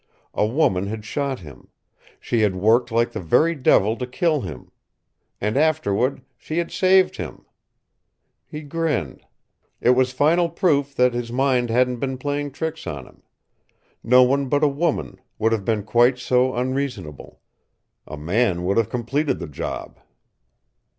A woman had shot him. She had worked like the very devil to kill him. And afterward she had saved him! He grinned. It was final proof that his mind hadn't been playing tricks on him. No one but a woman would have been quite so unreasonable. A man would have completed the job.